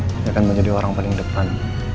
ini akan menjadi orang paling depan